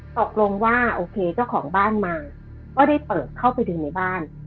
ตกลงว่าโอเคเจ้าของบ้านมาก็ได้เปิดเข้าไปดึงในบ้าน